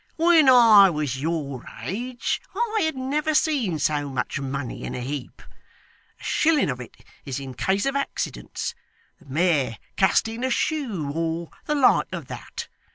When I was your age, I had never seen so much money, in a heap. A shilling of it is in case of accidents the mare casting a shoe, or the like of that.